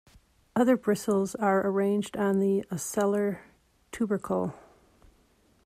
Other bristles are arranged on the ocellar tubercle.